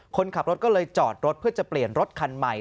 คนขับรถก็เลยจอดรถเพื่อจะเปลี่ยนรถคันใหม่